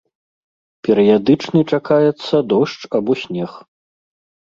Перыядычны чакаецца дождж або снег.